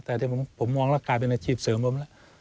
แต่ผมมองแล้วกลายเป็นอาชีพเสริมผมแล้ว